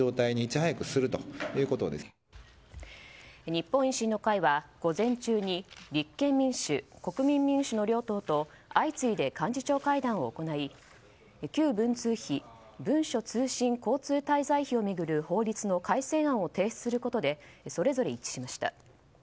日本維新の会は、午前中に立憲民主、国民民主の両党と相次いで幹事長会談を行い旧文通費・文書通信交通滞在費を巡る法律の改正案を提出することでそれぞれ一致しました。